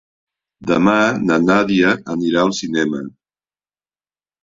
Demà na Nàdia anirà al cinema.